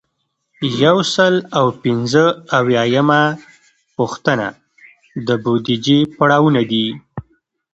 یو سل او پنځه اویایمه پوښتنه د بودیجې پړاوونه دي.